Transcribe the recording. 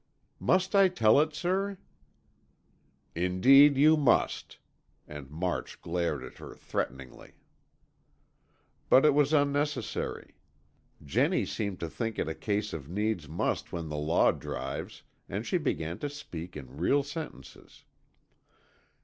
"Must I tell it, sir?" "Indeed you must," and March glared at her threateningly. But it was unnecessary. Jennie seemed to think it a case of needs must when the law drives, and she began to speak in real sentences.